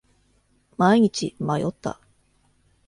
毎日迷った。